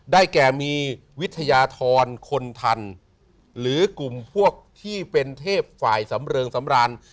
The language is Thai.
แก่มีวิทยาธรคนทันหรือกลุ่มพวกที่เป็นเทพฝ่ายสำเริงสำราญ